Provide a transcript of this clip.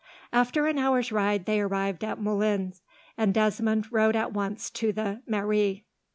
After an hour's ride, they arrived at Moulins, and Desmond rode at once to the mairie.